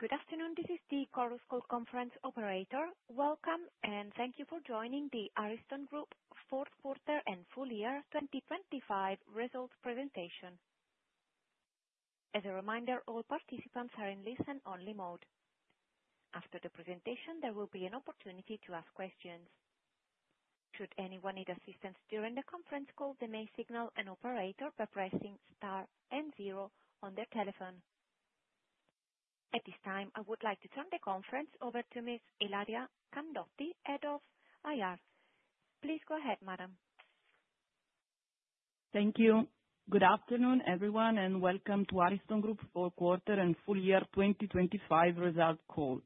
Good afternoon. This is the Chorus Call Conference operator. Welcome. Thank you for joining the Ariston Group fourth quarter and full year 2025 results presentation. As a reminder, all participants are in listen-only mode. After the presentation, there will be an opportunity to ask questions. Should anyone need assistance during the conference call, they may signal an operator by pressing star and zero on their telephone. At this time, I would like to turn the conference over to Miss Ilaria Candotti, Head of IR. Please go ahead, madam. Thank you. Good afternoon, everyone, and welcome to Ariston Group's fourth quarter and full year 2025 results call.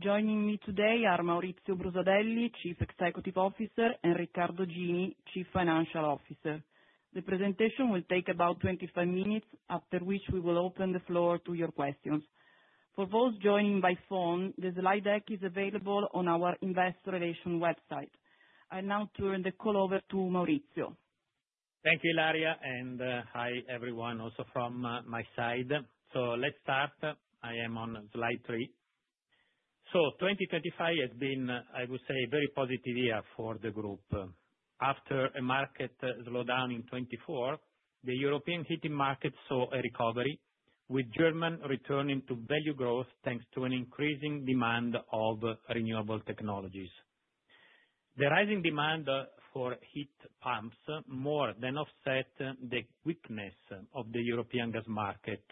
Joining me today are Maurizio Brusadelli, Chief Executive Officer, and Riccardo Gini, Chief Financial Officer. The presentation will take about 25 minutes, after which we will open the floor to your questions. For those joining by phone, the slide deck is available on our investor relations website. I now turn the call over to Maurizio. Thank you, Ilaria, and hi, everyone, also from my side. Let's start. I am on slide three. 2025 has been, I would say, a very positive year for the Group. After a market slowdown in 2024, the European heating market saw a recovery, with Germany returning to value growth thanks to an increasing demand of renewable technologies. The rising demand for heat pumps more than offset the weakness of the European gas market,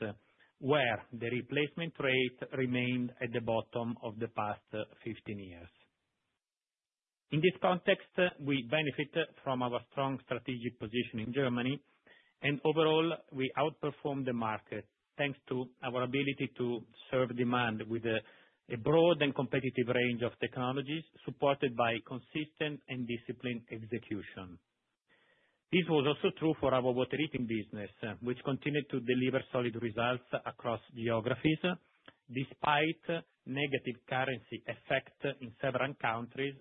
where the replacement rate remained at the bottom of the past 15 years. In this context, we benefit from our strong strategic position in Germany, and overall, we outperform the market, thanks to our ability to serve demand with a broad and competitive range of technologies, supported by consistent and disciplined execution. This was also true for our water heating business, which continued to deliver solid results across geographies, despite negative currency effect in several countries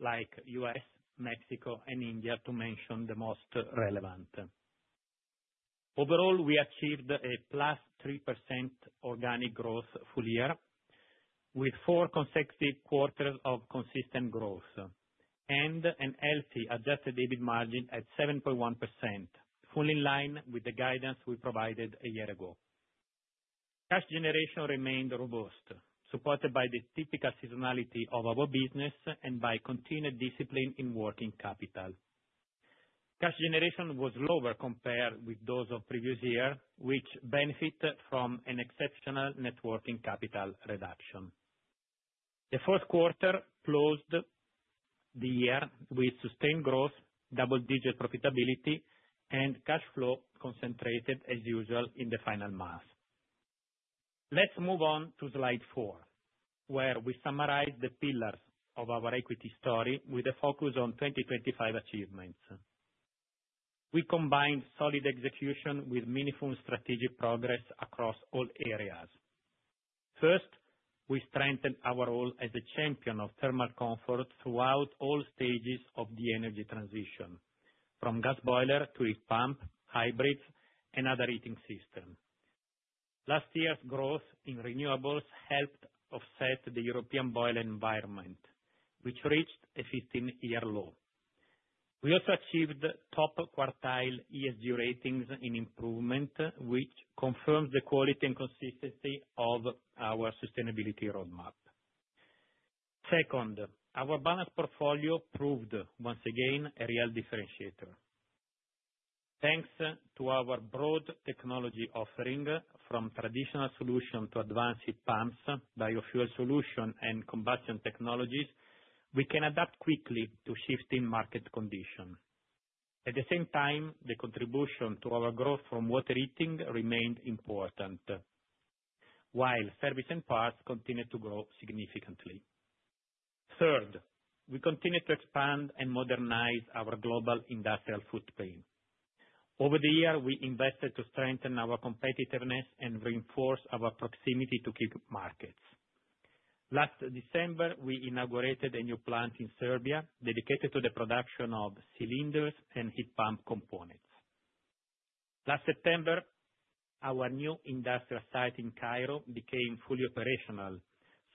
like U.S., Mexico, and India, to mention the most relevant. We achieved a +3% organic growth full-year, with four consecutive quarters of consistent growth and a healthy adjusted EBIT margin at 7.1%, fully in line with the guidance we provided a year ago. Cash generation remained robust, supported by the typical seasonality of our business and by continued discipline in working capital. Cash generation was lower compared with those of previous year, which benefited from an exceptional net working capital reduction. The fourth quarter closed the year with sustained growth, double-digit profitability, and cash flow concentrated as usual in the final mass. Let's move on to slide four, where we summarize the pillars of our equity story with a focus on 2025 achievements. We combined solid execution with meaningful strategic progress across all areas. First, we strengthened our role as a champion of thermal comfort throughout all stages of the energy transition, from gas boiler to heat pump, hybrids, and other heating system. Last year's growth in renewables helped offset the European boiler environment, which reached a 15-year low. We also achieved top quartile ESG ratings and improvement, which confirms the quality and consistency of our sustainability roadmap. Second, our balanced portfolio proved once again a real differentiator. Thanks to our broad technology offering, from traditional solution to advanced heat pumps, biofuel solution, and combustion technologies, we can adapt quickly to shifting market condition. At the same time, the contribution to our growth from water heating remained important, while service and parts continued to grow significantly. We continued to expand and modernize our global industrial footprint. Over the year, we invested to strengthen our competitiveness and reinforce our proximity to key markets. Last December, we inaugurated a new plant in Serbia dedicated to the production of cylinders and heat pump components. Last September, our new industrial site in Cairo became fully operational,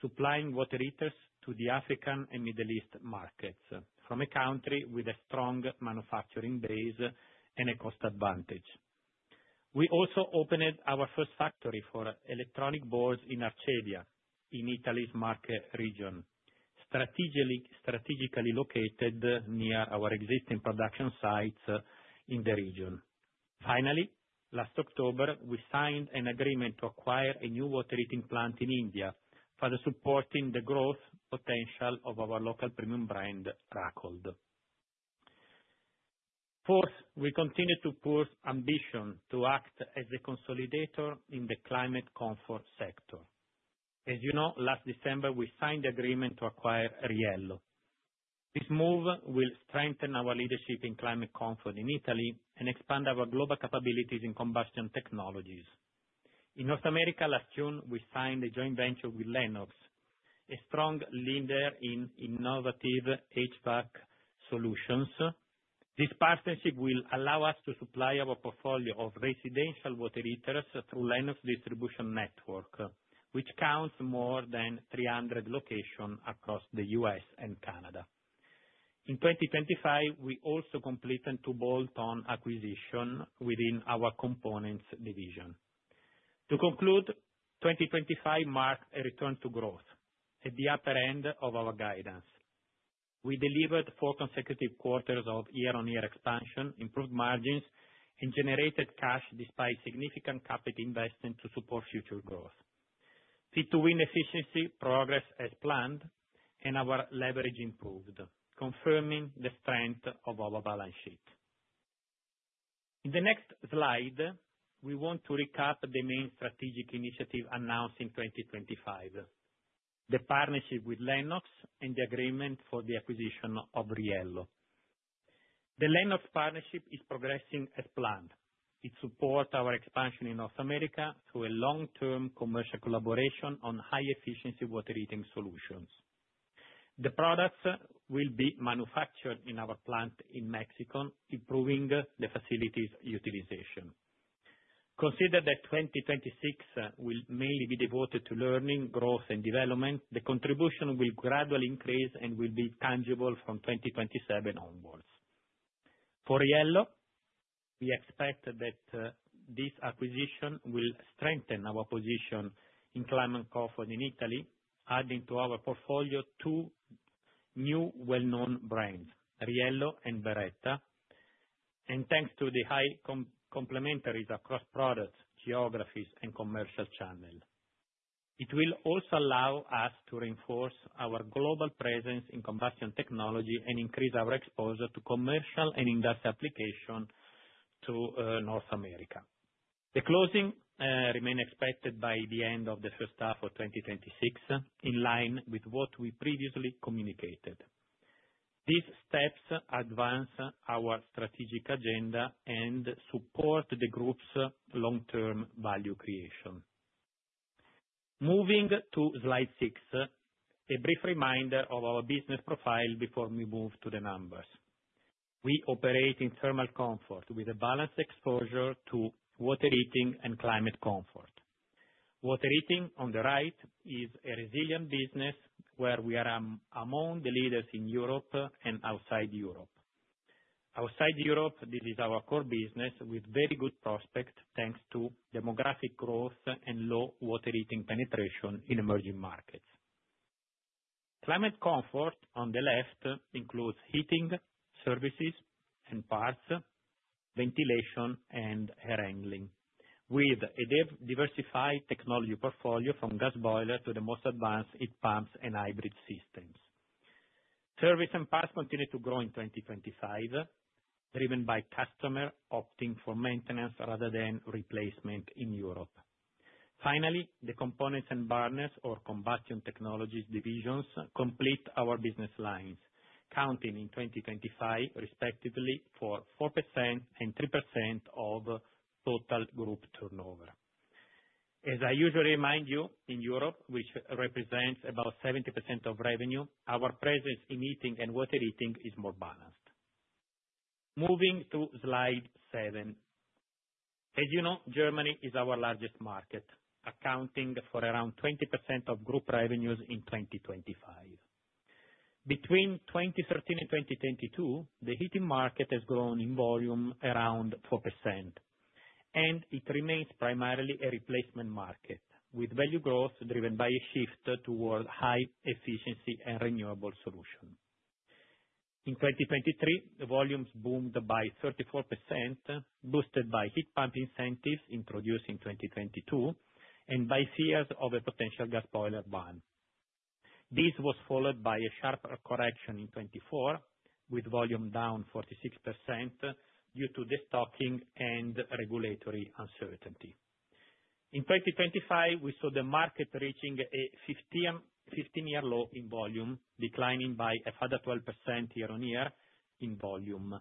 supplying water heaters to the African and Middle East markets from a country with a strong manufacturing base and a cost advantage. We also opened our first factory for electronic boards in Arcevia, in Italy's Marche region, strategically located near our existing production sites in the region. Finally, last October, we signed an agreement to acquire a new water heating plant in India, further supporting the growth potential of our local premium brand, Racold. Fourth, we continue to push ambition to act as a consolidator in the climate comfort sector. As you know, last December, we signed the agreement to acquire Riello. This move will strengthen our leadership in climate comfort in Italy and expand our global capabilities in combustion technologies. In North America, last June, we signed a joint venture with Lennox, a strong leader in innovative HVAC solutions. This partnership will allow us to supply our portfolio of residential water heaters through Lennox distribution network, which counts more than 300 locations across the U.S. and Canada. In 2025, we also completed two bolt-on acquisition within our components division. To conclude, 2025 marked a return to growth at the upper end of our guidance. We delivered four consecutive quarters of year-on-year expansion, improved margins, and generated cash despite significant capital investment to support future growth. Fit to Win efficiency progress as planned and our leverage improved, confirming the strength of our balance sheet. In the next slide, we want to recap the main strategic initiative announced in 2025, the partnership with Lennox and the agreement for the acquisition of Riello. The Lennox partnership is progressing as planned. It supports our expansion in North America through a long-term commercial collaboration on high efficiency water heating solutions. The products will be manufactured in our plant in Mexico, improving the facility's utilization. Consider that 2026 will mainly be devoted to learning, growth and development. The contribution will gradually increase and will be tangible from 2027 onwards. For Riello, we expect that this acquisition will strengthen our position in climate comfort in Italy, adding to our portfolio two new well-known brands, Riello and Beretta, and thanks to the high complementaries across products, geographies and commercial channels. It will also allow us to reinforce our global presence in combustion technology and increase our exposure to commercial and industrial application to North America. The closing remain expected by the end of the H1 of 2026, in line with what we previously communicated. These steps advance our strategic agenda and support the group's long-term value creation. Moving to slide six, a brief reminder of our business profile before we move to the numbers. We operate in thermal comfort with a balanced exposure to water heating and climate comfort. Water heating, on the right, is a resilient business where we are among the leaders in Europe and outside Europe. Outside Europe, this is our core business with very good prospects, thanks to demographic growth and low water heating penetration in emerging markets. Climate comfort, on the left, includes heating, services and parts, ventilation, and air handling, with a diversified technology portfolio from gas boiler to the most advanced heat pumps and hybrid systems. Service and parts continued to grow in 2025, driven by customer opting for maintenance rather than replacement in Europe. The components and burners or combustion technologies divisions complete our business lines, counting in 2025, respectively for 4% and 3% of total Group turnover. As I usually remind you, in Europe, which represents about 70% of revenue, our presence in heating and water heating is more balanced. Moving to slide seven. As you know, Germany is our largest market, accounting for around 20% of group revenues in 2025. Between 2013 and 2022, the heating market has grown in volume around 4%, and it remains primarily a replacement market, with value growth driven by a shift toward high efficiency and renewable solution. In 2023, the volumes boomed by 34%, boosted by heat pump incentives introduced in 2022, and by fears of a potential gas boiler ban. This was followed by a sharper correction in 2024, with volume down 46% due to destocking and regulatory uncertainty. In 2025, we saw the market reaching a 15-year low in volume, declining by a further 12% year-on-year in volume.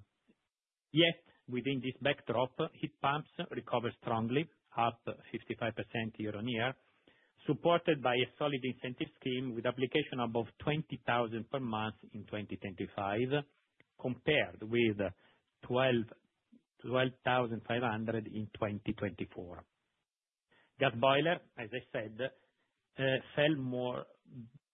Yet, within this backdrop, heat pumps recovered strongly, up 55% year-on-year, supported by a solid incentive scheme with application above 20,000 per month in 2025, compared with 12,500 in 2024. gas boiler, as I said, fell more,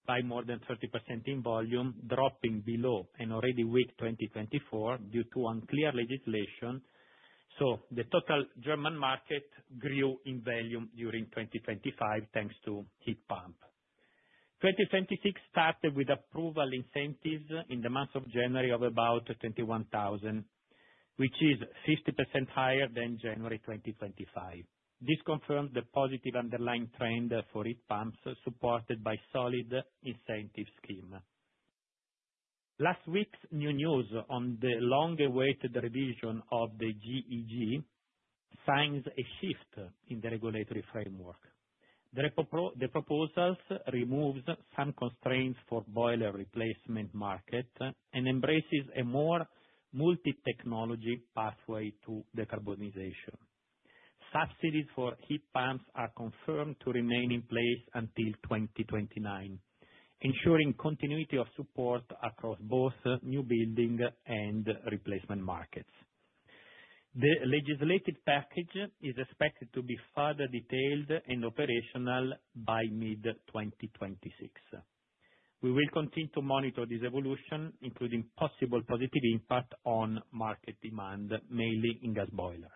by more than 30% in volume, dropping below an already weak 2024 due to unclear legislation. The total German market grew in volume during 2025, thanks to heat pump. 2026 started with approval incentives in the month of January of about 21,000, which is 50% higher than January 2025. This confirms the positive underlying trend for heat pumps, supported by solid incentive scheme. Last week's new news on the long-awaited revision of the GEG signs a shift in the regulatory framework. The proposals removes some constraints for boiler replacement market and embraces a more multi-technology pathway to decarbonization. Subsidies for heat pumps are confirmed to remain in place until 2029, ensuring continuity of support across both new building and replacement markets. The legislative package is expected to be further detailed and operational by mid-2026. We will continue to monitor this evolution, including possible positive impact on market demand, mainly in gas boiler.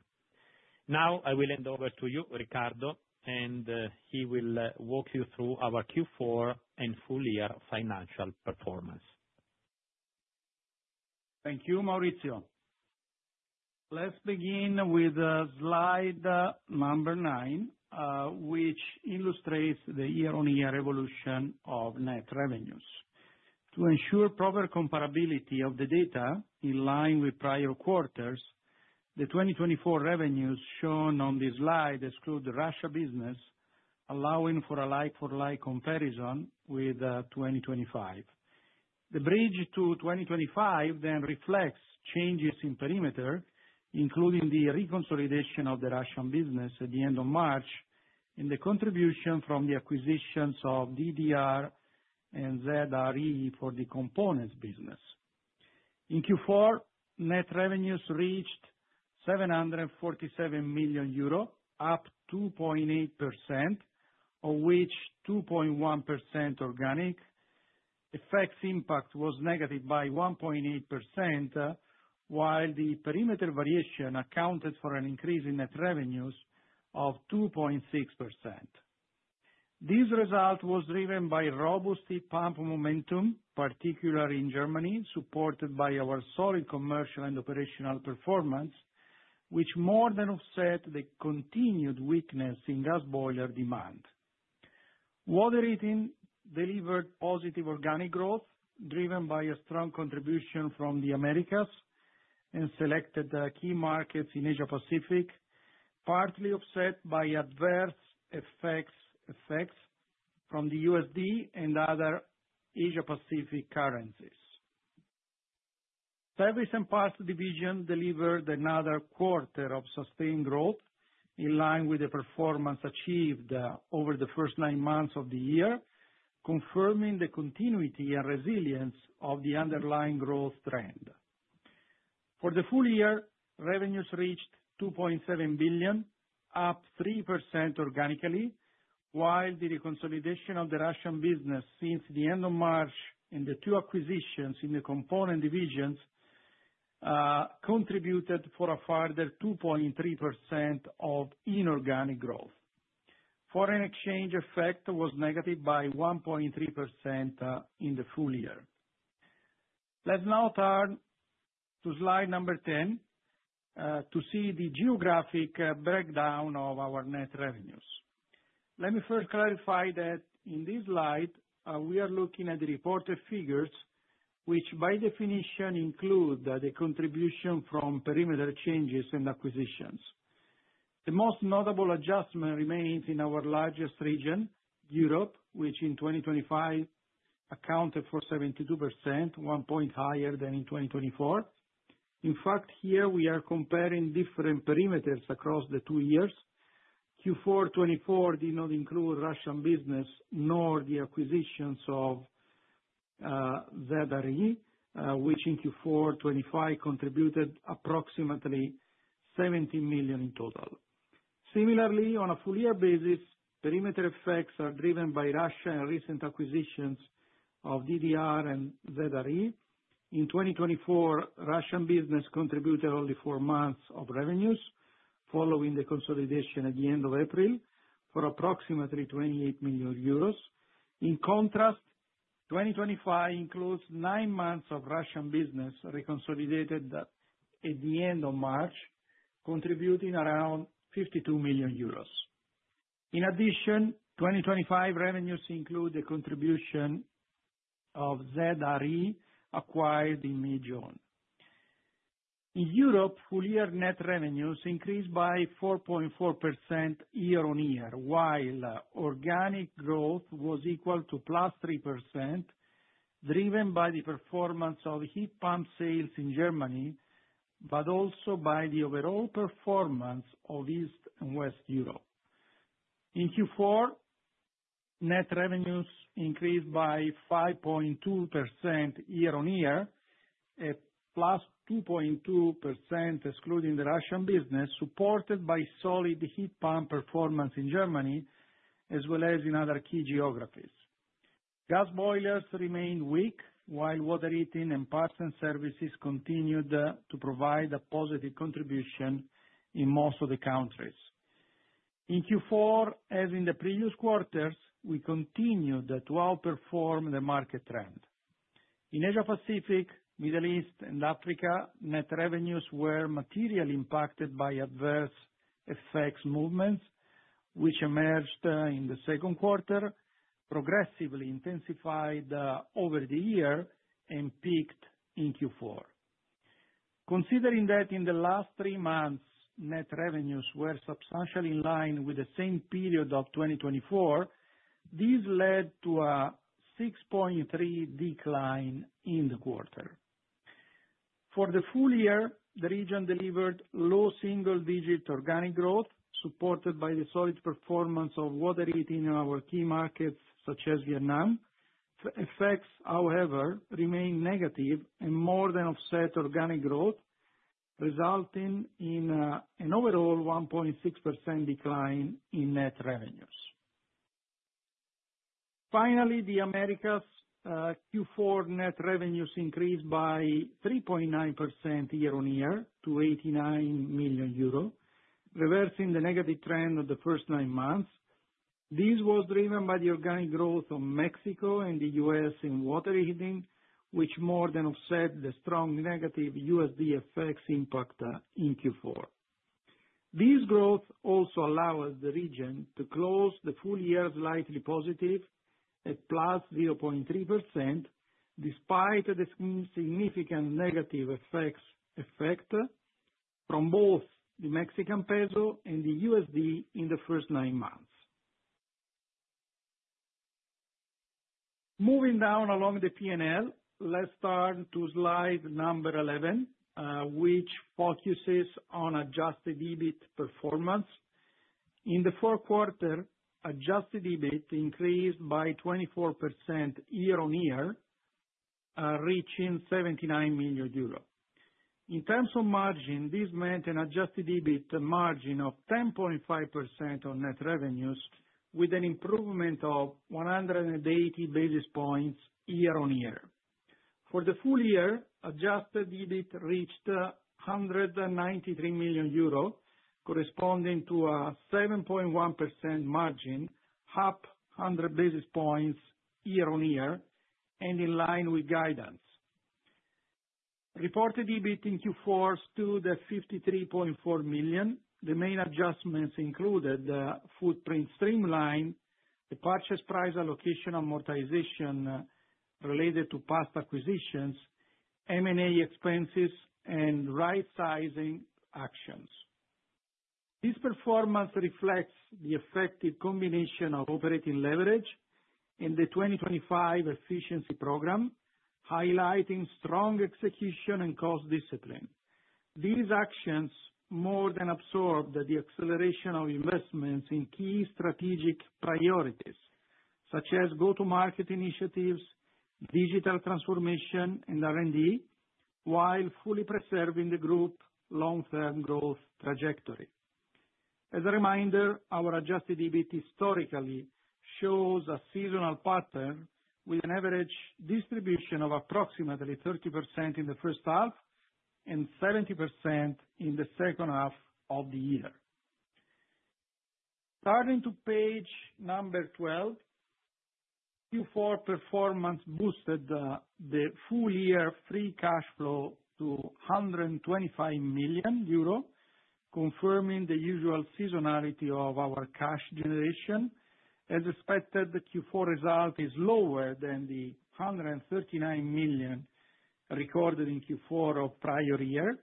I will hand over to you, Riccardo, and he will walk you through our Q4 and full year financial performance. Thank you, Maurizio. Let's begin with slide number nine, which illustrates the year-on-year evolution of net revenues. To ensure proper comparability of the data in line with prior quarters, the 2024 revenues shown on this slide exclude the Russia business, allowing for a like-for-like comparison with 2025. The bridge to 2025 reflects changes in perimeter, including the reconsolidation of the Russian business at the end of March, and the contribution from the acquisitions of DDR and Z.R.E. for the components business. In Q4, net revenues reached 747 million euro, up 2.8%, of which 2.1% organic. FX impact was negative by 1.8%, while the perimeter variation accounted for an increase in net revenues of 2.6%. This result was driven by robust heat pump momentum, particularly in Germany, supported by our solid commercial and operational performance, which more than offset the continued weakness in gas boiler demand. Water heating delivered positive organic growth, driven by a strong contribution from the Americas and selected key markets in Asia Pacific, partly offset by adverse FX from the USD and other Asia Pacific currencies. Service and parts division delivered another quarter of sustained growth in line with the performance achieved over the first nine months of the year, confirming the continuity and resilience of the underlying growth trend. For the full year, revenues reached 2.7 billion, up 3% organically, while the reconsolidation of the Russian business since the end of March and the two acquisitions in the component divisions contributed for a further 2.3% of inorganic growth. Foreign exchange effect was negative by 1.3% in the full year. Let's now turn to slide number 10 to see the geographic breakdown of our net revenues. Let me first clarify that in this slide, we are looking at the reported figures, which by definition include the contribution from perimeter changes and acquisitions. The most notable adjustment remains in our largest region, Europe, which in 2025 accounted for 72%, one point higher than in 2024. In fact, here we are comparing different perimeters across the two years. Q4 2024 did not include Russian business nor the acquisitions of Z.R.E., which in Q4 2025 contributed approximately 70 million in total. Similarly, on a full year basis, perimeter effects are driven by Russia and recent acquisitions of DDR and Z.R.E.. 2024, Russian business contributed only four months of revenues following the consolidation at the end of April for approximately 28 million euros. In contrast, 2025 includes nine months of Russian business reconsolidated at the end of March, contributing around 52 million euros. In addition, 2025 revenues include the contribution of Z.R.E. acquired in mid-June. In Europe, full year net revenues increased by 4.4% year-on-year, while organic growth was equal to +3%, driven by the performance of heat pump sales in Germany, but also by the overall performance of East and West Europe. In Q4, net revenues increased by 5.2% year-on-year, at +2.2% excluding the Russian business, supported by solid heat pump performance in Germany as well as in other key geographies. Gas boilers remained weak, while water heating and parts and services continued to provide a positive contribution in most of the countries. In Q4, as in the previous quarters, we continued to outperform the market trend. In Asia Pacific, Middle East and Africa, net revenues were materially impacted by adverse FX movements, which emerged in the second quarter, progressively intensified over the year, and peaked in Q4. Considering that in the last three months, net revenues were substantially in line with the same period of 2024, this led to a 6.3% decline in the quarter. For the full year, the region delivered low single-digit organic growth, supported by the solid performance of water heating in our key markets such as Vietnam. The effects, however, remain negative and more than offset organic growth, resulting in an overall 1.6% decline in net revenues. The Americas, Q4 net revenues increased by 3.9% year-on-year to EUR 89 million, reversing the negative trend of the first nine months. This was driven by the organic growth of Mexico and the U.S. in water heating, which more than offset the strong negative USD effects impact in Q4. This growth also allows the region to close the full year slightly positive at +0.3% despite the significant negative effects from both the Mexican peso and the USD in the first nine months. Moving down along the P&L, let's turn to slide number 11, which focuses on adjusted EBIT performance. In the fourth quarter, adjusted EBIT increased by 24% year-on-year, reaching 79 million euros. In terms of margin, this meant an adjusted EBIT margin of 10.5% on net revenues with an improvement of 180 basis points year-on-year. For the full year, adjusted EBIT reached 193 million euros corresponding to a 7.1% margin, up 100 basis points year-on-year and in line with guidance. Reported EBIT in Q4 stood at 53.4 million. The main adjustments included, footprint streamline, the purchase price allocation amortization related to past acquisitions, M&A expenses, and rightsizing actions. This performance reflects the effective combination of operating leverage in the 2025 efficiency program, highlighting strong execution and cost discipline. These actions more than absorb the acceleration of investments in key strategic priorities, such as go-to-market initiatives, digital transformation, and R&D, while fully preserving the group long-term growth trajectory. As a reminder, our adjusted EBIT historically shows a seasonal pattern with an average distribution of approximately 30% in the H1 and 70% in the second half of the year. Turning to page number 12, Q4 performance boosted the full year free cash flow to 125 million euro, confirming the usual seasonality of our cash generation. As expected, the Q4 result is lower than the 139 million recorded in Q4 of prior year,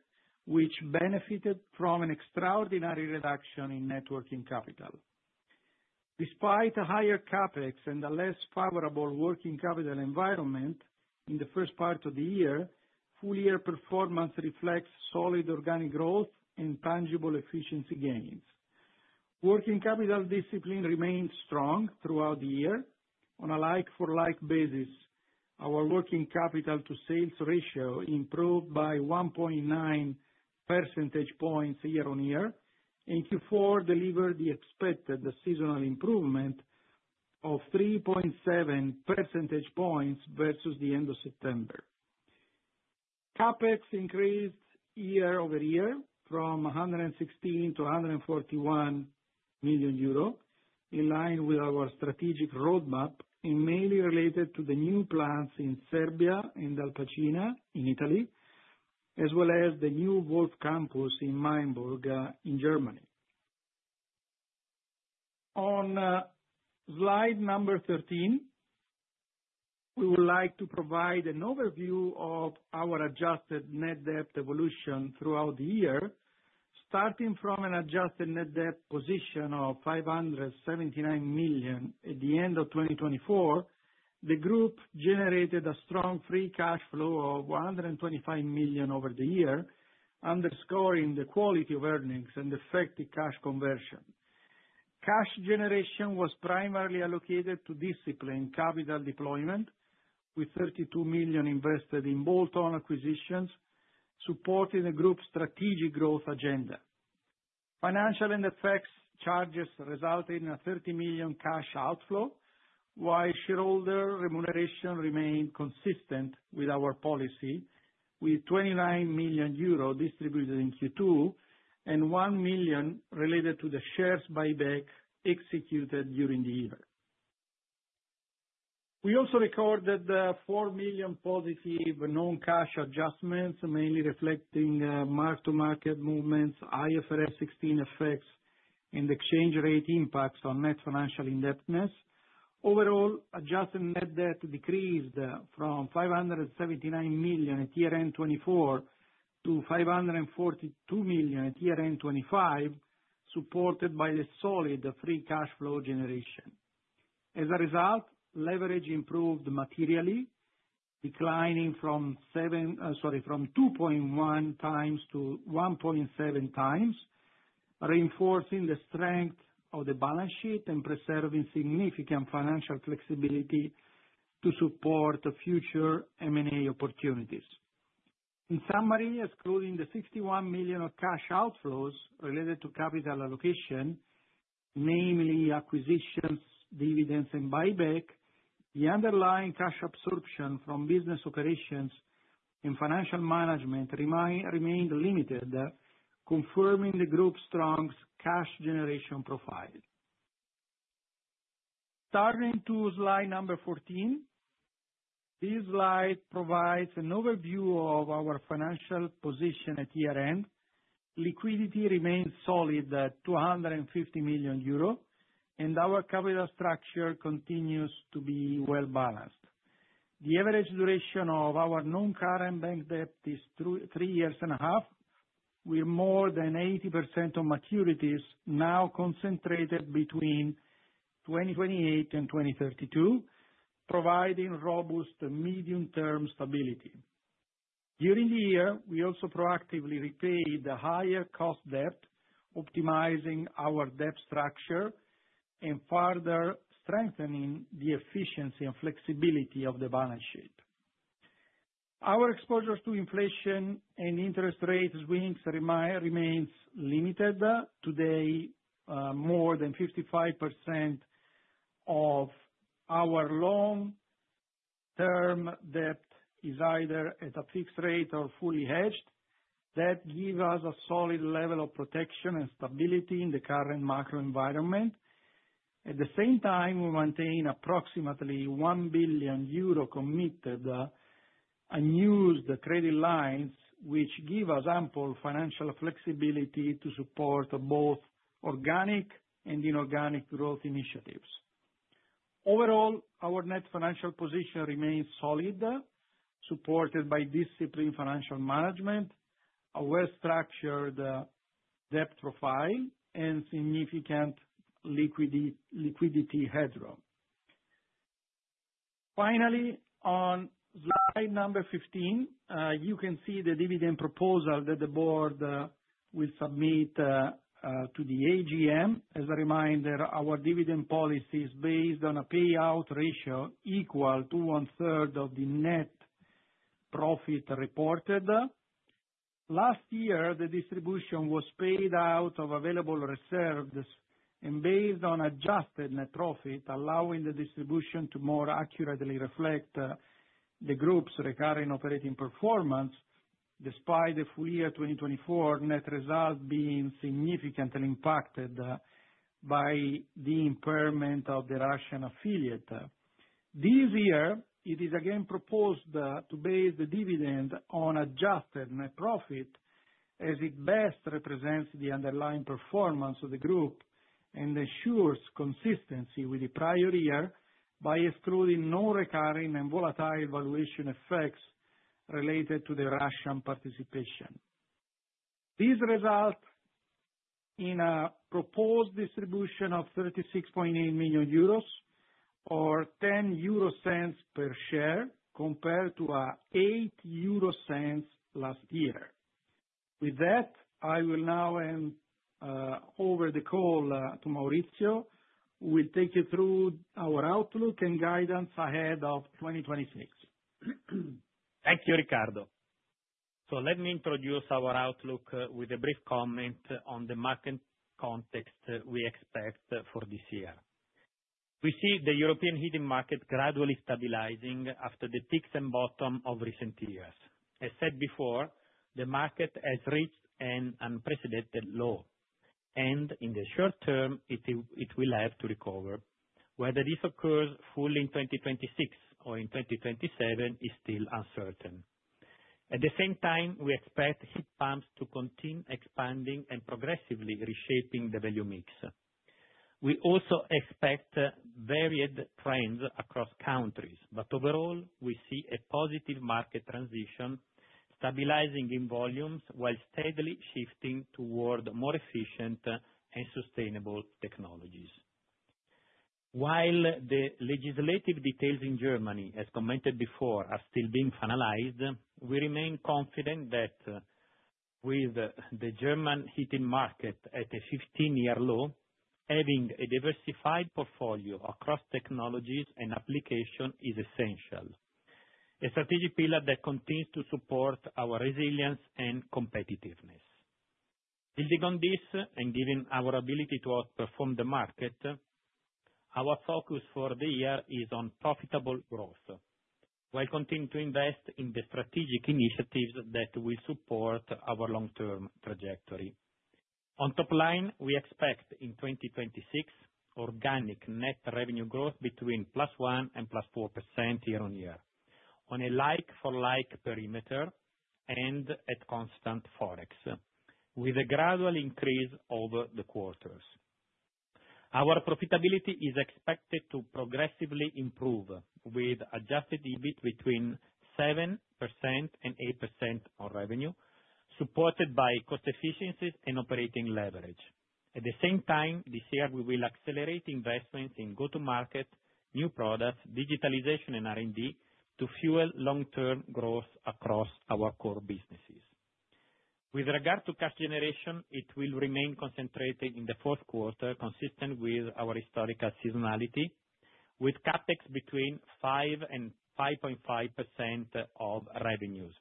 which benefited from an extraordinary reduction in net working capital. Despite a higher CapEx and a less favorable working capital environment in the first part of the year, full year performance reflects solid organic growth and tangible efficiency gains. Working capital discipline remained strong throughout the year. On a like-for-like basis, our working capital to sales ratio improved by 1.9 percentage points year-over-year, Q4 delivered the expected seasonal improvement of 3.7 percentage points versus the end of September. CapEx increased year-over-year from 116 million-141 million euro, in line with our strategic roadmap and mainly related to the new plants in Serbia and Albacina in Italy, as well as the new Wolf campus in Mainburg in Germany. On slide number 13, we would like to provide an overview of our adjusted net debt evolution throughout the year. Starting from an adjusted net debt position of 579 million at the end of 2024, the group generated a strong free cash flow of 125 million over the year, underscoring the quality of earnings and effective cash conversion. Cash generation was primarily allocated to discipline capital deployment, with 32 million invested in bolt-on acquisitions, supporting the group's strategic growth agenda. Financial and effects charges resulted in a 30 million cash outflow, while shareholder remuneration remained consistent with our policy, with 29 million euro distributed in Q2, and 1 million related to the share buyback executed during the year. We also recorded four million positive non-cash adjustments, mainly reflecting mark-to-market movements, IFRS 16 effects, and exchange rate impacts on net financial indebtedness. Overall, adjusted net debt decreased from 579 million at year-end 2024 to 542 million at year-end 2025, supported by the solid free cash flow generation. As a result, leverage improved materially, declining sorry, from 2.1x to 1.7x, reinforcing the strength of the balance sheet and preserving significant financial flexibility to support the future M&A opportunities. In summary, excluding the 61 million of cash outflows related to capital allocation, namely acquisitions, dividends, and buyback, the underlying cash absorption from business operations and financial management remained limited, confirming the group's strong cash generation profile. Turning to slide number 14. This slide provides an overview of our financial position at year-end. Liquidity remains solid at 250 million euro, and our capital structure continues to be well balanced. The average duration of our non-current bank debt is three years and a half, with more than 80% of maturities now concentrated between 2028 and 2032, providing robust medium term stability. During the year, we also proactively repaid the higher cost debt, optimizing our debt structure and further strengthening the efficiency and flexibility of the balance sheet. Our exposure to inflation and interest rate swings remains limited. Today, more than 55% of our long term debt is either at a fixed rate or fully hedged. That give us a solid level of protection and stability in the current macro environment. At the same time, we maintain approximately 1 billion euro committed, unused credit lines which give us ample financial flexibility to support both organic and inorganic growth initiatives. Overall, our net financial position remains solid, supported by disciplined financial management, a well-structured debt profile, and significant liquidity headroom. On slide number 15, you can see the dividend proposal that the board will submit to the AGM. As a reminder, our dividend policy is based on a payout ratio equal to one-third of the net profit reported. Last year, the distribution was paid out of available reserves and based on adjusted net profit, allowing the distribution to more accurately reflect the group's recurring operating performance, despite the full year 2024 net result being significantly impacted by the impairment of the Russian affiliate. This year it is again proposed to base the dividend on adjusted net profit as it best represents the underlying performance of the group and assures consistency with the prior year by excluding non-recurring and volatile valuation effects related to the Russian participation. These result in a proposed distribution of 36.8 million euros or 0.10 per share, compared to 0.08 last year. With that, I will now hand over the call to Maurizio, who will take you through our outlook and guidance ahead of 2026. Thank you, Riccardo. Let me introduce our outlook, with a brief comment on the market context we expect for this year. We see the European heating market gradually stabilizing after the peaks and bottom of recent years. As said before, the market has reached an unprecedented low, and in the short term it will have to recover. Whether this occurs fully in 2026 or in 2027 is still uncertain. At the same time, we expect heat pumps to continue expanding and progressively reshaping the value mix. We also expect varied trends across countries, but overall, we see a positive market transition stabilizing in volumes while steadily shifting toward more efficient and sustainable technologies. While the legislative details in Germany, as commented before, are still being finalized, we remain confident that, with the German heating market at a 15-year low, having a diversified portfolio across technologies and application is essential. A strategic pillar that continues to support our resilience and competitiveness. Building on this, and given our ability to outperform the market, our focus for the year is on profitable growth, while continuing to invest in the strategic initiatives that will support our long-term trajectory. On top line, we expect in 2026 organic net revenue growth between +1% and +4% year-on-year on a like-for-like perimeter and at constant Forex, with a gradual increase over the quarters. Our profitability is expected to progressively improve with adjusted EBIT between 7% and 8% of revenue. Supported by cost efficiencies and operating leverage. At the same time, this year, we will accelerate investments in go-to-market, new products, digitalization and R&D to fuel long-term growth across our core businesses. With regard to cash generation, it will remain concentrated in the fourth quarter, consistent with our historical seasonality, with CapEx between 5% and 5.5% of revenues,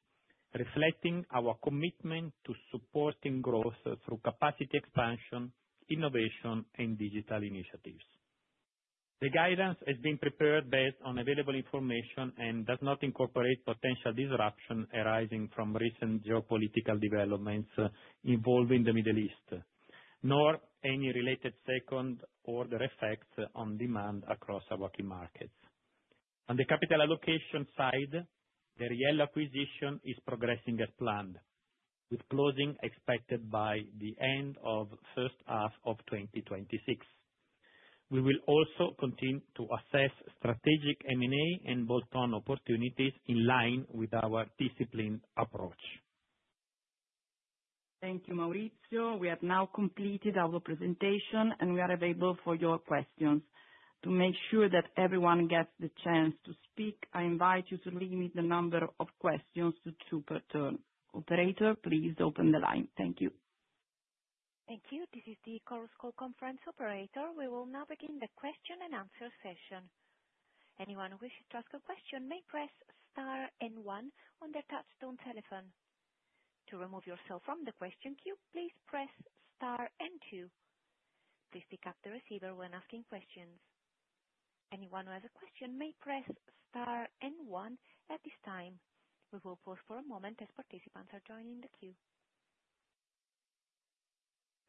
reflecting our commitment to supporting growth through capacity expansion, innovation and digital initiatives. The guidance has been prepared based on available information and does not incorporate potential disruption arising from recent geopolitical developments involving the Middle East, nor any related second or other effects on demand across our working markets. On the capital allocation side, the Riello acquisition is progressing as planned, with closing expected by the end of first half of 2026. We will also continue to assess strategic M&A and bolt-on opportunities in line with our disciplined approach. Thank you, Maurizio. We have now completed our presentation and we are available for your questions. To make sure that everyone gets the chance to speak, I invite you to limit the number of questions to two per turn. Operator, please open the line. Thank you. Thank you. This is the Chorus Call conference operator. We will now begin the question and answer session. Anyone who wishes to ask a question may press star and one on their touchtone telephone. To remove yourself from the question queue, please press star and two. Please pick up the receiver when asking questions. Anyone who has a question may press star and one at this time. We will pause for a moment as participants are joining the queue.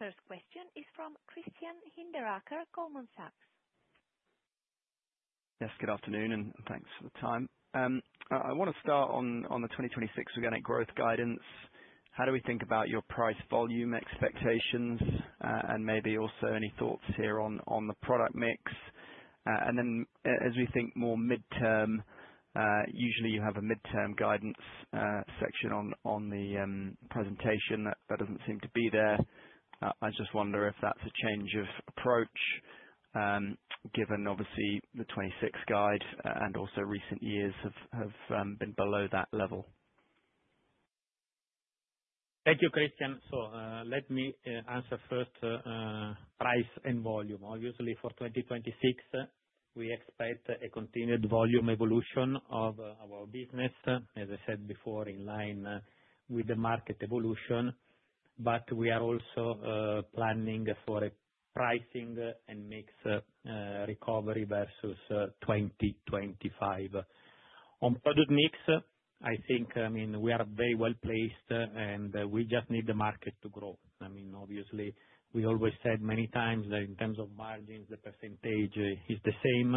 First question is from Christian Hinderaker, Goldman Sachs. Yes, good afternoon, and thanks for the time. I wanna start on the 2026 organic growth guidance. How do we think about your price volume expectations? Maybe also any thoughts here on the product mix, and then as we think more midterm, usually you have a midterm guidance section on the presentation. That doesn't seem to be there. I just wonder if that's a change of approach, given obviously the 2026 guide, and also recent years have been below that level. Thank you, Christian. Let me answer first price and volume. Obviously, for 2026, we expect a continued volume evolution of our business, as I said before, in line with the market evolution. We are also planning for a pricing and mix recovery versus 2025. On product mix, I think, I mean, we are very well-placed and we just need the market to grow. I mean, obviously, we always said many times that in terms of margins, the percentage is the same.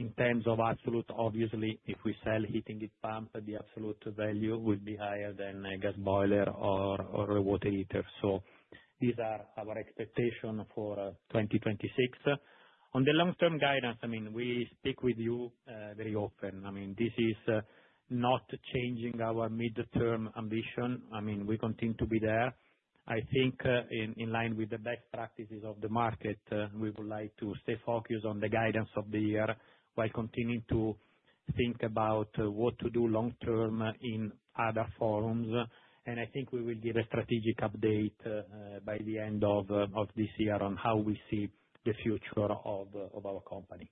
In terms of absolute, obviously, if we sell heat pump, the absolute value will be higher than a gas boiler or a water heater. These are our expectation for 2026. On the long term guidance, I mean, we speak with you very often. I mean, this is not changing our midterm ambition. I mean, we continue to be there. I think in line with the best practices of the market, we would like to stay focused on the guidance of the year while continuing to think about what to do long term in other forums. I think we will give a strategic update by the end of this year on how we see the future of our company.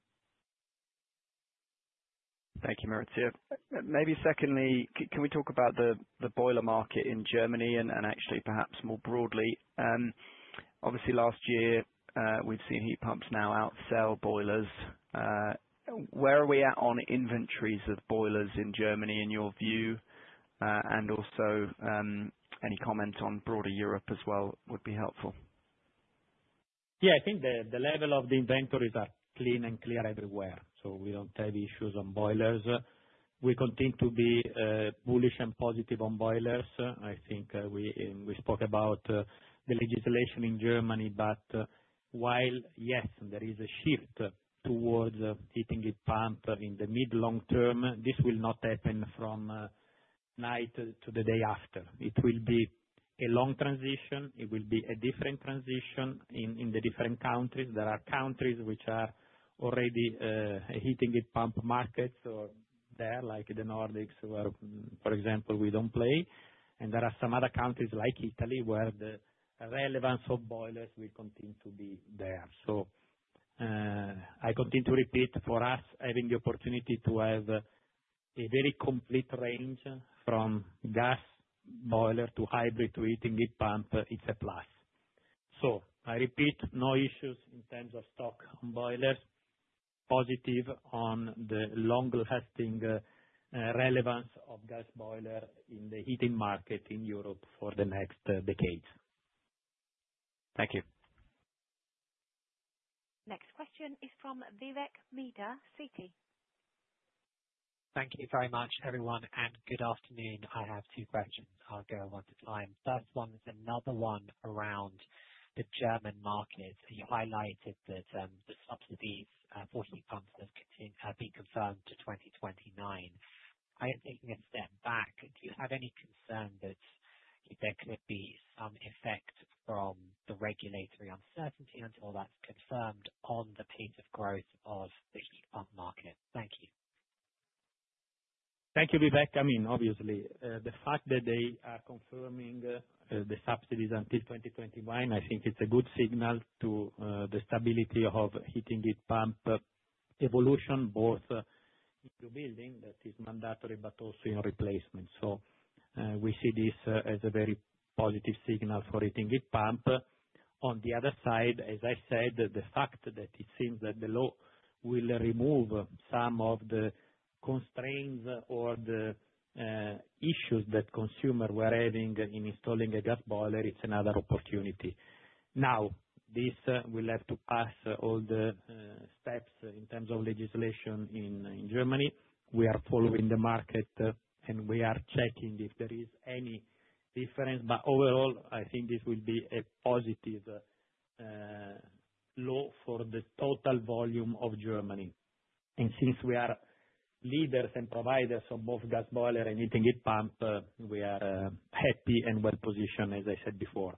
Thank you, Maurizio. Maybe secondly, can we talk about the boiler market in Germany and actually perhaps more broadly? Obviously last year, we've seen heat pumps now outsell boilers. Where are we at on inventories of boilers in Germany, in your view? Also, any comments on broader Europe as well would be helpful. Yeah. I think the level of the inventories are clean and clear everywhere, so we don't have issues on boilers. We continue to be bullish and positive on boilers. I think we spoke about the legislation in Germany, but while, yes, there is a shift towards heating pump in the mid long term, this will not happen from night to the day after. It will be a long transition. It will be a different transition in the different countries. There are countries which are already heating the pump markets or there, like the Nordics, where, for example, we don't play. There are some other countries like Italy, where the relevance of boilers will continue to be there. I continue to repeat, for us, having the opportunity to have a very complete range from gas boiler to hybrid to heating pump, it's a plus. I repeat, no issues in terms of stock on boilers. Positive on the long-lasting relevance of gas boiler in the heating market in Europe for the next decades. Thank you. Next question is from Vivek Midha, Citi. Thank you very much, everyone, and good afternoon. I have two questions. I'll go one at a time. First one is another one around. The German market, you highlighted that the subsidies for heat pumps have been confirmed. I am taking a step back. Do you have any concern that there could be some effect from the regulatory uncertainty until that's confirmed on the pace of growth of the heat pump market? Thank you. Thank you, Vivek. I mean, obviously, the fact that they are confirming the subsidies until 2029, I think it's a good signal to the stability of heat and heat pump evolution, both in new building that is mandatory, but also in replacement. We see this as a very positive signal for heat and heat pump. On the other side, as I said, the fact that it seems that the law will remove some of the constraints or the issues that consumer were having in installing a gas boiler, it's another opportunity. Now, this will have to pass all the steps in terms of legislation in Germany. We are following the market, and we are checking if there is any difference. Overall, I think this will be a positive law for the total volume of Germany. Since we are leaders and providers of both gas boiler and heat pump, we are happy and well-positioned, as I said before.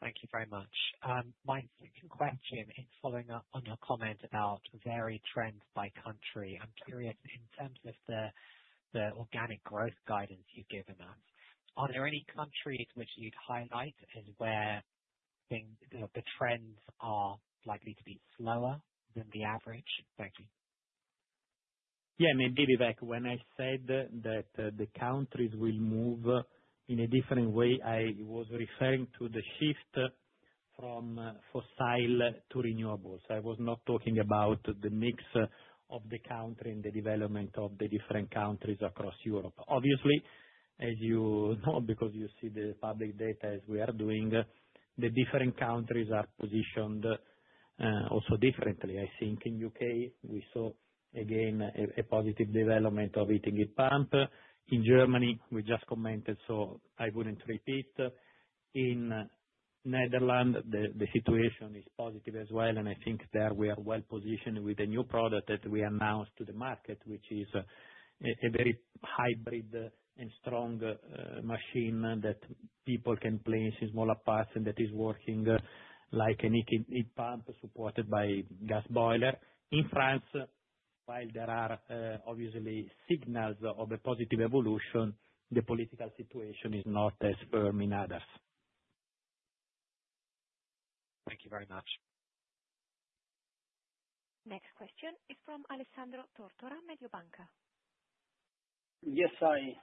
Thank you very much. My second question is following up on your comment about varied trends by country. I'm curious in terms of the organic growth guidance you've given us, are there any countries which you'd highlight as where things, the trends are likely to be slower than the average? Thank you. Maybe back when I said that, the countries will move in a different way, I was referring to the shift from fossil to renewables. I was not talking about the mix of the country and the development of the different countries across Europe. Obviously, as you know, because you see the public data as we are doing, the different countries are positioned also differently. I think in U.K. we saw again, a positive development of heat and heat pump. In Germany, we just commented, so I wouldn't repeat. In Netherlands, the situation is positive as well, and I think there we are well-positioned with a new product that we announced to the market, which is a very hybrid and strong machine that people can place in smaller parts and that is working like a heat and heat pump supported by gas boiler. In France, while there are obviously signals of a positive evolution, the political situation is not as firm in others. Thank you very much. Next question is from Alessandro Tortora, Mediobanca. Yes, hi.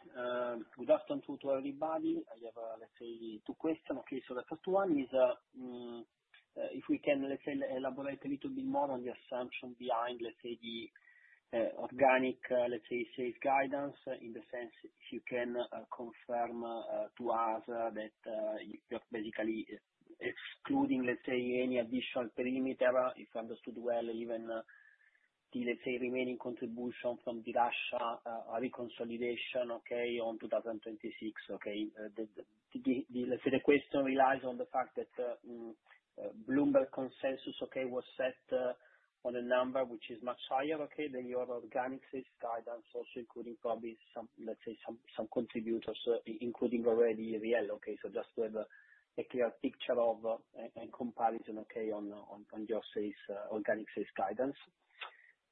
Good afternoon to everybody. I have, let's say two question. Okay. The first one is, if we can, let's say, elaborate a little bit more on the assumption behind, let's say, the organic, let's say, sales guidance, in the sense, if you can confirm to us that just basically excluding, let's say, any additional perimeter, if understood well, even the, let's say, remaining contribution from the Russia reconsolidation, okay, on 2026, okay. The question relies on the fact that Bloomberg consensus, okay, was set on a number which is much higher, okay, than your organic sales guidance, also including probably some, let's say, some contributors, including already Riello, okay. Just to have a clear picture of and comparison, okay, on your sales, organic sales guidance.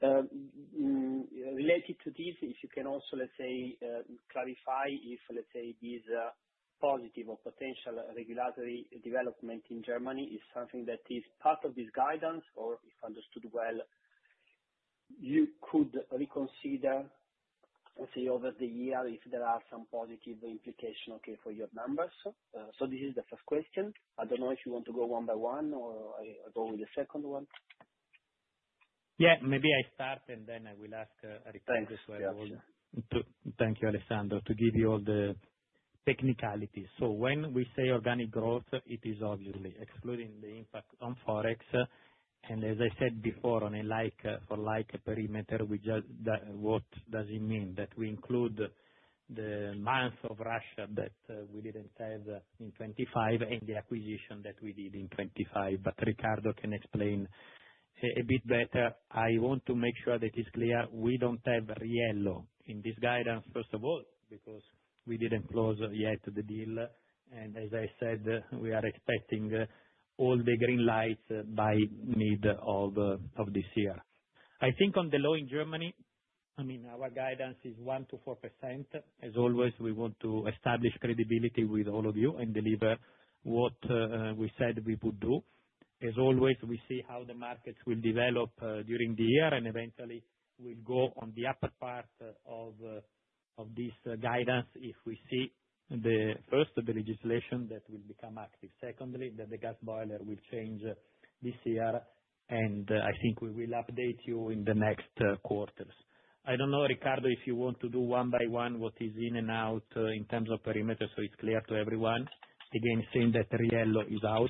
Related to this, if you can also, let's say, clarify if this positive or potential regulatory development in Germany is something that is part of this guidance, or if understood well, you could reconsider, let's say, over the year, if there are some positive implication, okay, for your numbers. This is the first question. I don't know if you want to go one by one, or I go with the second one. Yeah, maybe I start, and then I will ask, Riccardo. Thanks. Yeah. Thank you, Alessandro. To give you all the technicalities. When we say organic growth, it is obviously excluding the impact on Forex. As I said before, on a like, for like perimeter, what does it mean? That we include the months of Russia that we didn't have in 25 and the acquisition that we did in 25. Riccardo can explain a bit better. I want to make sure that it's clear we don't have Riello in this guidance, first of all, because we didn't close yet the deal, and as I said, we are expecting all the green light by mid of this year. On the law in Germany, our guidance is 1%-4%. As always, we want to establish credibility with all of you and deliver what we said we would do. As always, we see how the markets will develop during the year, eventually we'll go on the upper part of this guidance if we see the, first, the legislation that will become active, secondly, that the gas boiler will change this year. I think we will update you in the next quarters. I don't know, Riccardo, if you want to do one by one what is in and out in terms of perimeter, so it's clear to everyone, again, saying that Riello is out.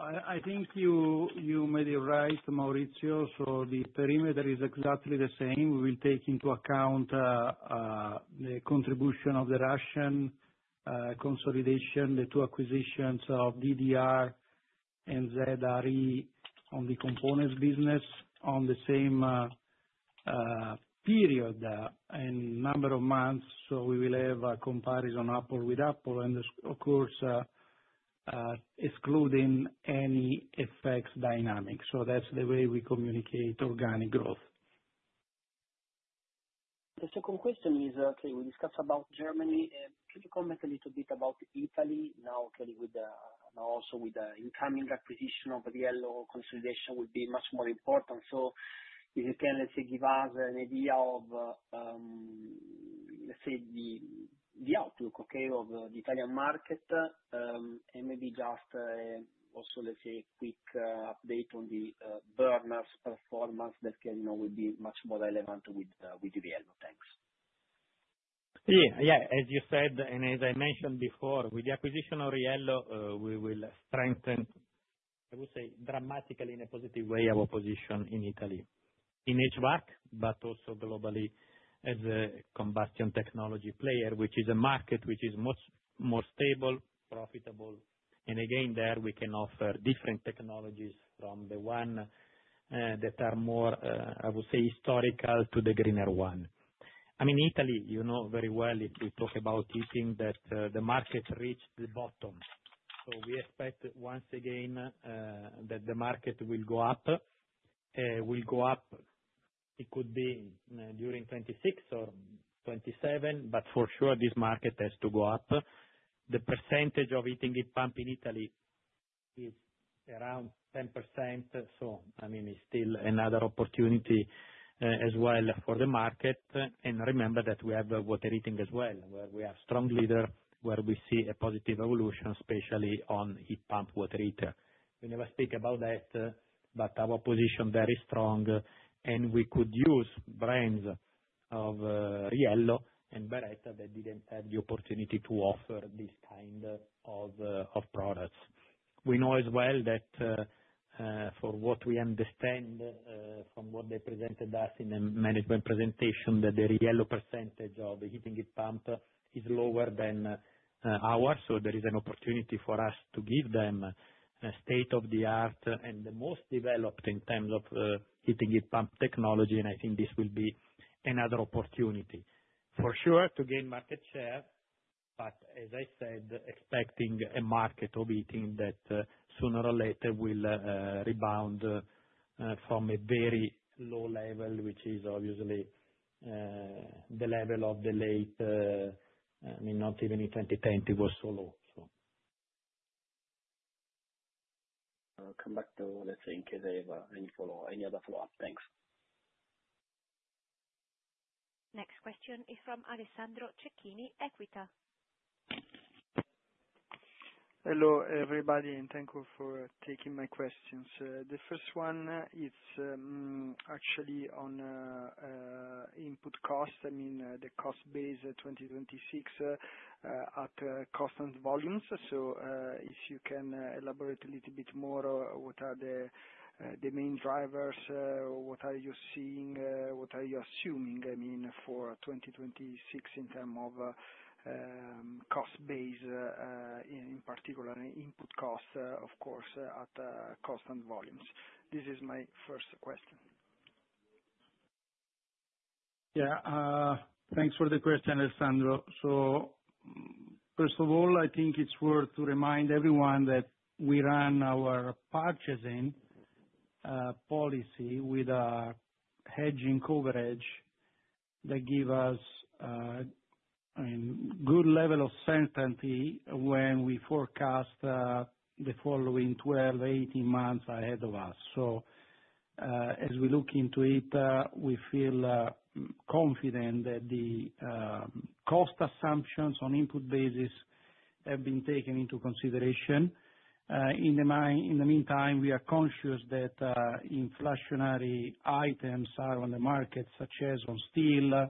I think you may be right, Maurizio. The perimeter is exactly the same. We will take into account the contribution of the Russian consolidation, the two acquisitions of DDR and Z.R.E. on the components business on the same period and number of months. We will have a comparison apple with apple and this of course, excluding any effects dynamic. That's the way we communicate organic growth. The second question is, can you discuss about Germany? Can you comment a little bit about Italy now, okay, with the, also with the incoming acquisition of Riello consolidation will be much more important. If you can, let's say, give us an idea of, let's say the outlook, okay, of the Italian market, and maybe just, also, let's say a quick, update on the, burners performance that can, you know, will be much more relevant with Riello. Thanks. Yeah, as you said, and as I mentioned before, with the acquisition of Riello, we will strengthen, I would say, dramatically in a positive way, our position in Italy. In HVAC, but also globally as a combustion technology player, which is a market which is much more stable, profitable, and again, there we can offer different technologies from the one that are more, I would say historical to the greener one. I mean, Italy, you know very well if we talk about heating that the market reached the bottom. We expect once again that the market will go up. It could be during 2026 or 2027, but for sure this market has to go up. The percentage of heating with pump in Italy is around 10%, I mean, it's still another opportunity as well for the market. Remember that we have water heating as well, where we are strong leader, where we see a positive evolution, especially on heat pump water heater. We never speak about that, our position very strong and we could use brands of Riello and Beretta that didn't have the opportunity to offer this kind of products. We know as well that for what we understand from what they presented us in a management presentation, that the Riello percentage of the heating with pump is lower than ours. There is an opportunity for us to give them a state-of-the-art and the most developed in terms of heating with pump technology, and I think this will be another opportunity, for sure to gain market share, but as I said, expecting a market of heating that sooner or later will rebound from a very low level, which is obviously, the level of the late, I mean, not even in 2010 it was so low. I'll come back to, let's say, in case I have any other follow-up. Thanks. Next question is from Alessandro Cecchini, EQUITA. Hello, everybody, and thank you for taking my questions. The first one is, actually on input costs, I mean, the cost base 2026 at constant volumes. If you can elaborate a little bit more, what are the main drivers? What are you seeing? What are you assuming, I mean, for 2026 in term of cost base, in particular input costs, of course, at constant volumes? This is my first question. Thanks for the question, Alessandro. First of all, I think it's worth to remind everyone that we run our purchasing policy with a hedging coverage that give us, I mean, good level of certainty when we forecast the following 12, 18 months ahead of us. As we look into it, we feel confident that the cost assumptions on input basis have been taken into consideration. In the meantime, we are conscious that inflationary items are on the market, such as on steel,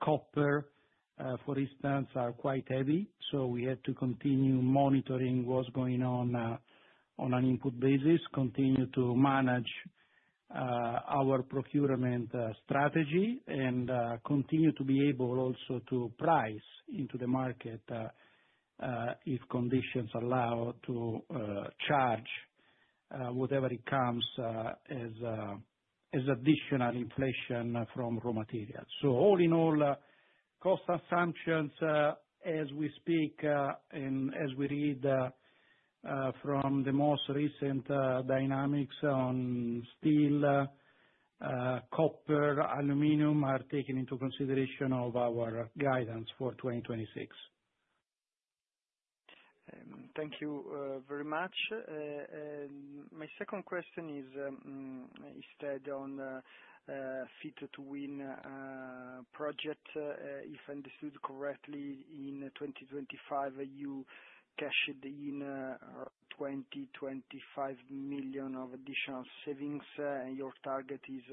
copper, for instance, are quite heavy, so we have to continue monitoring what's going on on an input basis, continue to manage our procurement strategy and continue to be able also to price into the market if conditions allow to charge whatever it comes as additional inflation from raw materials. All in all, cost assumptions as we speak and as we read from the most recent dynamics on steel, copper, aluminum are taken into consideration of our guidance for 2026. Thank you very much. My second question is instead on Fit to Win project. If understood correctly, in 2025 you cashed in 25 million of additional savings. Your target is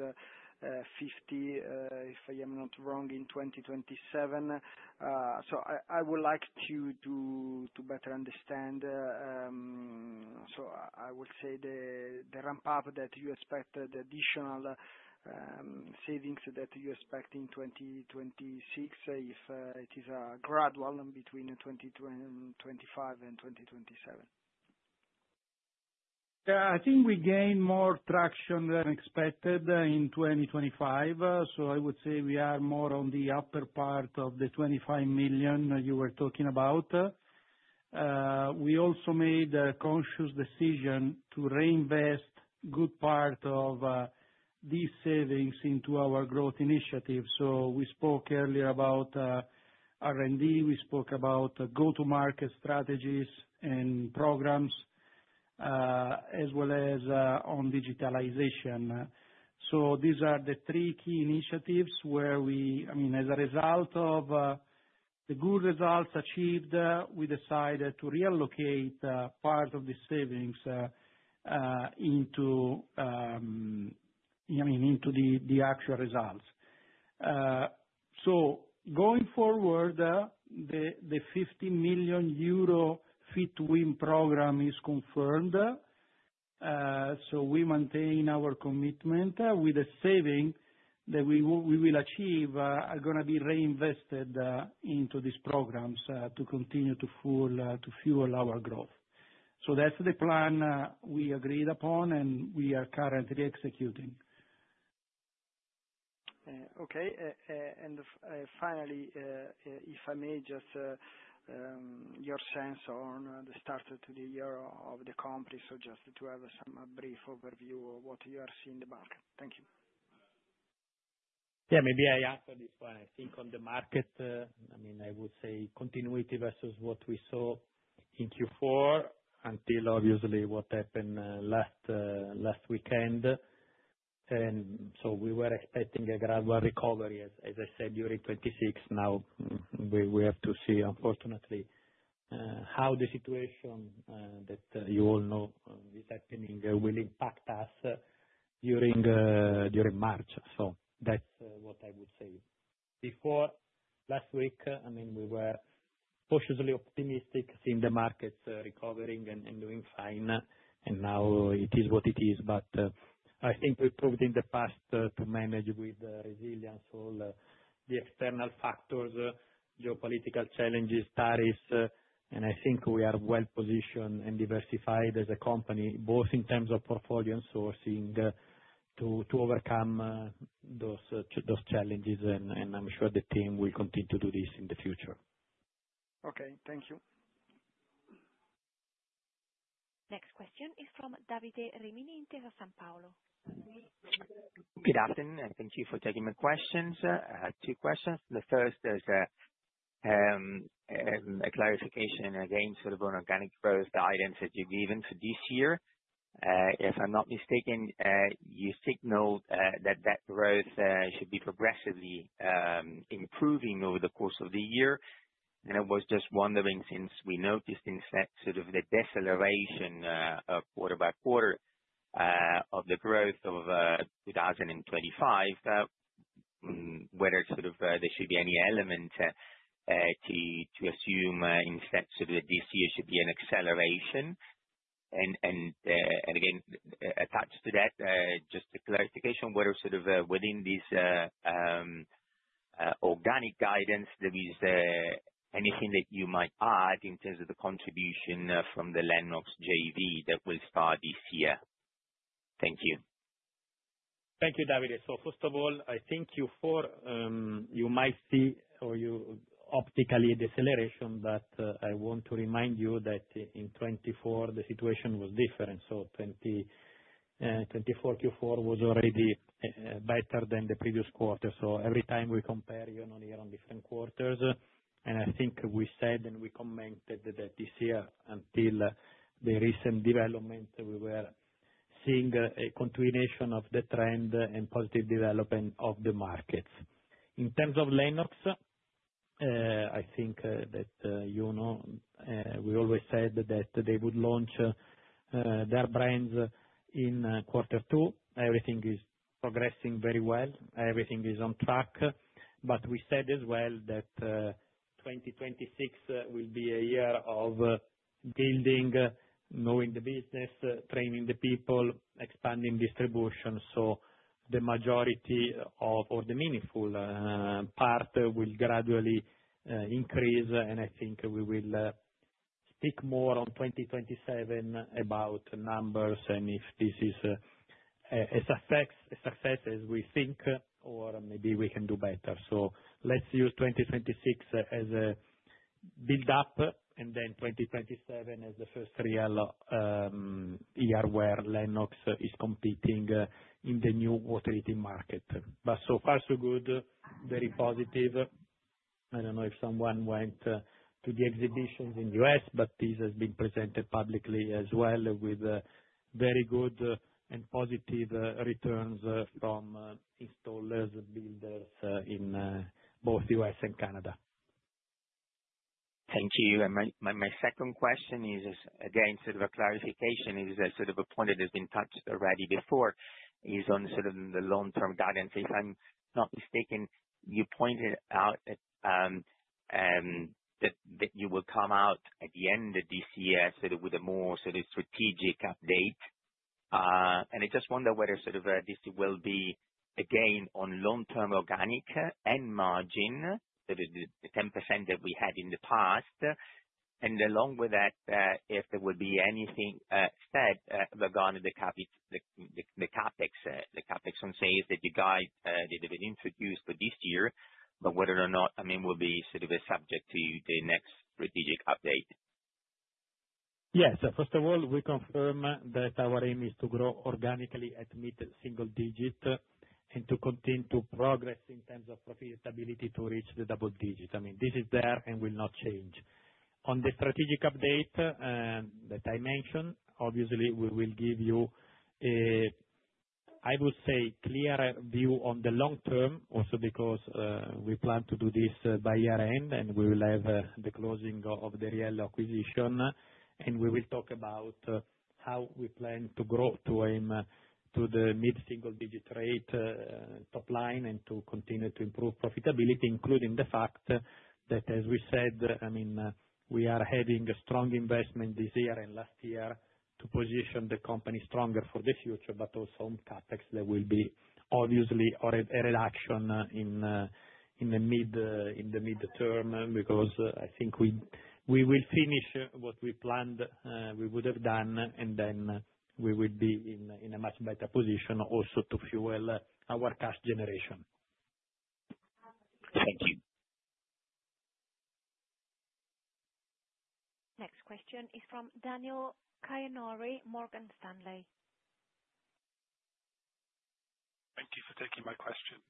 50 million, if I am not wrong, in 2027. I would like to better understand. I would say the ramp up that you expect, the additional savings that you expect in 2026, if it is gradual between 2025 and 2027. Yeah, I think we gained more traction than expected in 2025. I would say we are more on the upper part of the 25 million you were talking about. We also made a conscious decision to reinvest good part of these savings into our growth initiatives. We spoke earlier about R&D. We spoke about go-to-market strategies and programs as well as on digitalization. These are the three key initiatives where I mean, as a result of the good results achieved, we decided to reallocate part of the savings into I mean, into the actual results. Going forward, the 50 million euro Fit to Win program is confirmed. We maintain our commitment with the saving that we will achieve, are gonna be reinvested, into these programs, to continue to fuel our growth. That's the plan, we agreed upon, and we are currently executing. Okay. Finally, if I may just, your sense on the start to the year of the company. Just to have some brief overview of what you are seeing in the market. Thank you. Yeah, maybe I answer this one. I think on the market, I mean, I would say continuity versus what we saw in Q4 until obviously what happened last weekend. We were expecting a gradual recovery, as I said, during 2026. We have to see, unfortunately, how the situation that you all know is happening will impact us during March. That's what I would say. Before last week, I mean, we were cautiously optimistic, seeing the markets recovering and doing fine, and now it is what it is. I think we proved in the past to manage with resilience all the external factors, geopolitical challenges, tariffs, and I think we are well-positioned and diversified as a company, both in terms of portfolio and sourcing, to overcome those challenges. I'm sure the team will continue to do this in the future. Okay. Thank you. Next question is from Davide Rimini, Intesa Sanpaolo. Good afternoon, and thank you for taking my questions. I have two questions. The first is a clarification again sort of on organic growth guidance that you've given for this year. If I'm not mistaken, you signaled that that growth should be progressively improving over the course of the year. I was just wondering, since we noticed instead sort of the deceleration quarter by quarter of the growth of 2025, whether sort of there should be any element to assume instead sort of this year should be an acceleration. Again, attached to that, just a clarification, where sort of, within this organic guidance, there is anything that you might add in terms of the contribution from the Lennox JV that will start this year. Thank you. Thank you, Davide. First of all, I think Q4, you might see or you optically deceleration, but I want to remind you that in 2024 the situation was different. 2024 Q4 was already better than the previous quarter. Every time we compare year-on-year on different quarters, and I think we said and we commented that this year, until the recent development, we were seeing a continuation of the trend and positive development of the markets. In terms of Lennox, I think that, you know, we always said that they would launch their brands in quarter two. Everything is progressing very well. Everything is on track. We said as well that 2026 will be a year of building, knowing the business, training the people, expanding distribution. The majority of, or the meaningful part will gradually increase. I think we will speak more on 2027 about numbers and if this is a success as we think or maybe we can do better. Let's use 2026 as a build-up and then 2027 as the first real year where Lennox is competing in the new water heating market. So far so good. Very positive. I don't know if someone went to the exhibitions in U.S., but this has been presented publicly as well with very good and positive returns from installers and builders in both U.S. and Canada. Thank you. My second question is, again sort of a clarification, is a sort of a point that has been touched already before, is on sort of the long-term guidance. If I'm not mistaken, you pointed out at, that you will come out at the end of this year, sort of, with a more sort of strategic update. I just wonder whether sort of, this will be, again, on long-term organic and margin, that is the 10% that we had in the past, and along with that, if there would be anything, said, regarding the CapEx, the CapEx on sales that you guide, that have been introduced for this year, but whether or not, I mean, will be sort of subject to the next strategic update? Yes. First of all, we confirm that our aim is to grow organically at mid-single digit and to continue to progress in terms of profitability to reach the double digit. I mean, this is there and will not change. On the strategic update, that I mentioned, obviously, we will give you a, I would say clearer view on the long term also because, we plan to do this by year-end. We will have the closing of the Riello acquisition. We will talk about how we plan to grow to aim to the mid-single digit rate topline, and to continue to improve profitability, including the fact that, as we said, I mean, we are having a strong investment this year and last year to position the company stronger for the future. Also on CapEx there will be obviously, or a reduction in the mid-term, because I think we will finish what we planned, we would have done. Then we will be in a much better position also to fuel our cash generation. Thank you. Next question is from Daniel Khajenouri, Morgan Stanley. Thank you for taking my question.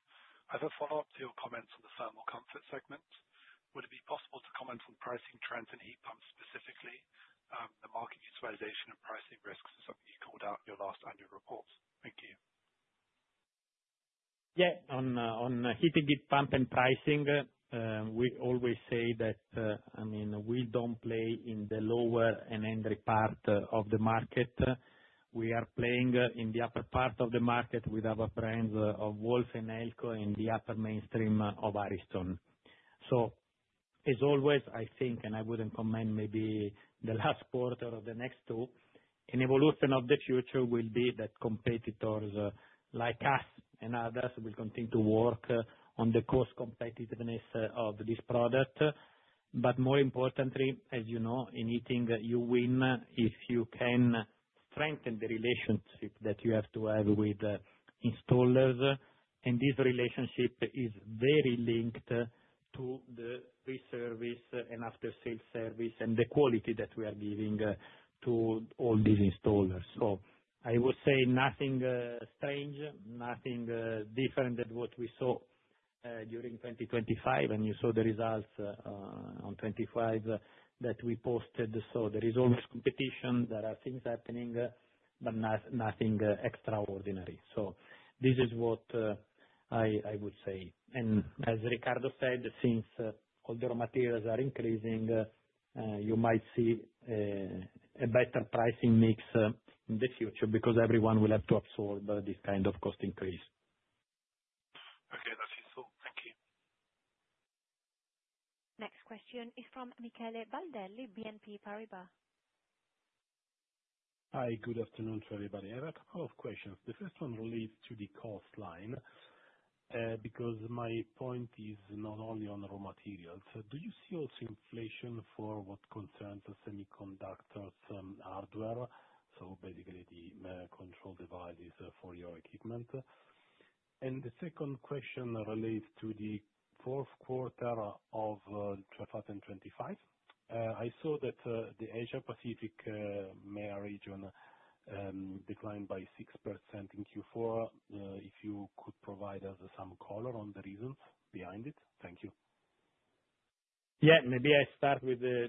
As a follow-up to your comments on the thermal comfort segment, would it be possible to comment on pricing trends in heat pumps specifically? The market utilization and pricing risks are something you called out in your last annual report. Thank you. Yeah. On on heating heat pump and pricing, we always say that, I mean, we don't play in the lower and entry part of the market. We are playing in the upper part of the market with our brands of Wolf and Elco in the upper mainstream of Ariston. As always, I think, and I wouldn't comment maybe the last quarter or the next two, an evolution of the future will be that competitors like us and others will continue to work on the cost competitiveness of this product. More importantly, as you know, anything that you win, if you can strengthen the relationship that you have to have with installers, and this relationship is very linked to the pre-service and after-sales service and the quality that we are giving to all these installers. I would say nothing strange, nothing different than what we saw during 2025. You saw the results on 2025 that we posted. There is always competition. There are things happening, but nothing extraordinary. This is what I would say. As Riccardo said, since all raw materials are increasing, you might see a better pricing mix in the future because everyone will have to absorb this kind of cost increase. Okay. That's useful. Thank you. Next question is from Michele Baldelli, BNP Paribas. Hi. Good afternoon to everybody. I have a couple of questions. The first one relates to the cost line because my point is not only on raw materials. Do you see also inflation for what concerns the semiconductors and hardware? Basically the control devices for your equipment. The second question relates to the fourth quarter of 2025. I saw that the Asia Pacific mere region declined by 6% in Q4. If you could provide us some color on the reasons behind it. Thank you. Yeah. Maybe I start with the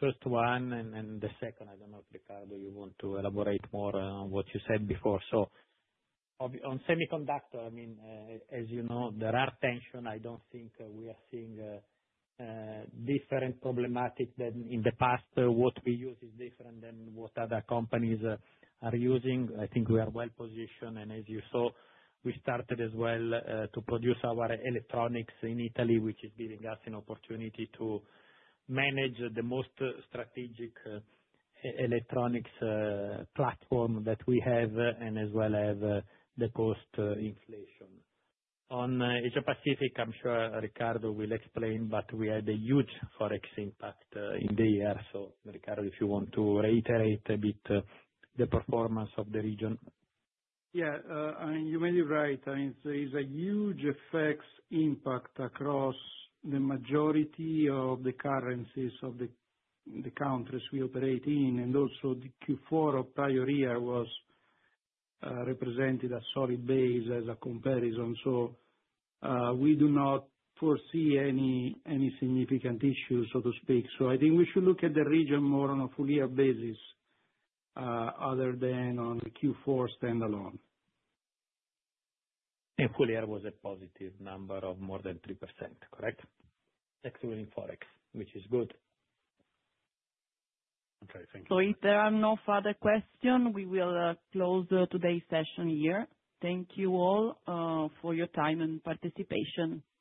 first one and then the second. I don't know if, Riccardo, you want to elaborate more on what you said before. on semiconductor, I mean, as you know, there are tension. I don't think we are seeing different problematic than in the past. What we use is different than what other companies are using. I think we are well positioned. As you saw, we started as well to produce our electronics in Italy, which is giving us an opportunity to manage the most strategic e-electronics platform that we have and as well as the cost inflation. On Asia Pacific, I'm sure Riccardo will explain, but we had a huge Forex impact in the year. Riccardo, if you want to reiterate a bit the performance of the region. Yeah. you may be right. I mean, there is a huge effects impact across the majority of the currencies of the countries we operate in. The Q4 of prior year was represented a solid base as a comparison. We do not foresee any significant issues, so to speak. I think we should look at the region more on a full-year basis, other than on the Q4 standalone. Full year was a positive number of more than 3%, correct? Excluding Forex, which is good. Okay. Thank you. If there are no further question, we will close today's session here. Thank you all for your time and participation. Bye.